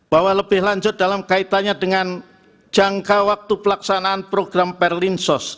bahwa lebih lanjut dalam kaitannya dengan jangka waktu pelaksanaan program perlinsos